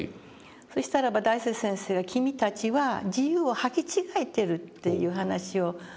そしたらば大拙先生が「君たちは自由を履き違えてる」という話をまずされましてね